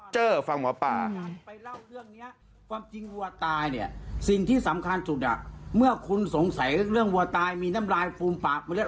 เจอฟังหมอป๊า